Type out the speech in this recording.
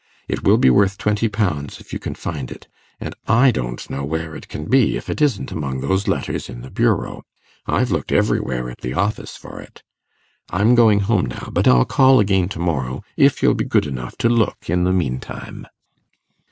It will be worth twenty pounds, if you can find it; and I don't know where it can be, if it isn't among those letters in the bureau. I've looked everywhere at the office for it. I'm going home now, but I'll call again to morrow, if you'll be good enough to look in the meantime.